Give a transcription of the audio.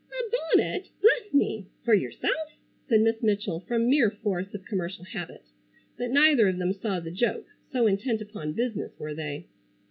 "A bonnet! Bless me! For yourself?" said Miss Mitchell from mere force of commercial habit. But neither of them saw the joke, so intent upon business were they.